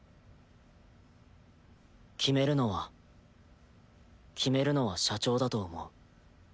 決めるのは決めるのは社長だと思う。